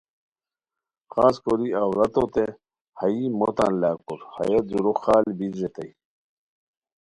خاص کوری عورتو تھے ہایی مو تان لاکور، ہیہ دورو خال بیر ریتائے